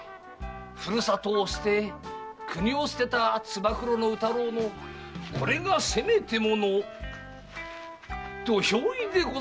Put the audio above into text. ふるさとを捨て国を捨てた「つばくろの宇太郎」のこれがせめてもの土俵入りでござんす。